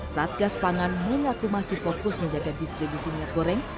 satgas pangan mengaktumasi fokus menjaga distribusi miat goreng